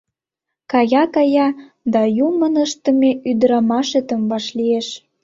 Кая-кая да юмын ыштыме ӱдырамашетым вашлиеш...